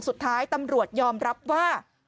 สุดท้ายตำรวจยอมรับว่า